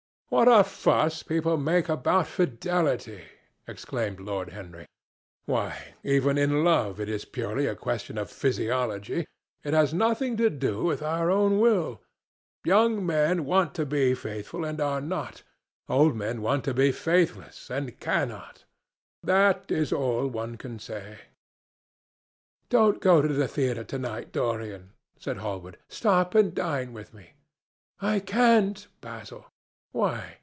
"What a fuss people make about fidelity!" exclaimed Lord Henry. "Why, even in love it is purely a question for physiology. It has nothing to do with our own will. Young men want to be faithful, and are not; old men want to be faithless, and cannot: that is all one can say." "Don't go to the theatre to night, Dorian," said Hallward. "Stop and dine with me." "I can't, Basil." "Why?"